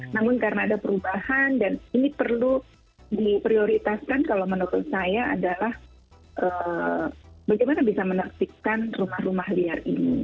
namun karena ada perubahan dan ini perlu diprioritaskan kalau menurut saya adalah bagaimana bisa menertibkan rumah rumah liar ini